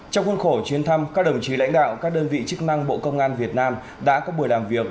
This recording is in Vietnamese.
trong khuôn khổ chuyến thăm các đồng chí lãnh đạo các đơn vị chức năng bộ công an việt nam đã có buổi làm việc